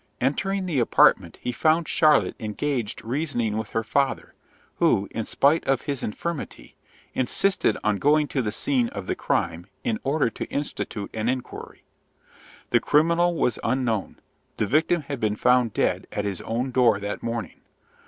Entering the apartment, he found Charlotte engaged reasoning with her father, who, in spite of his infirmity, insisted on going to the scene of the crime, in order to institute an inquiry. The criminal was unknown; the victim had been found dead at his own door that morning.